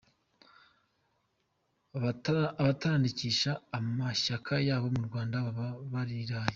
Abatarandikisha amashyaka yabo mu Rwanda baba bariraye !